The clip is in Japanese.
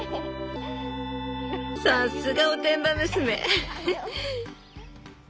さっすがおてんば娘！